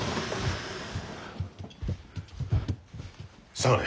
下がれ。